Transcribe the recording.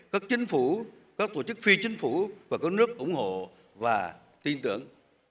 các chính phủ các tổ chức phi chính phủ và các nước ủng hộ và tin tưởng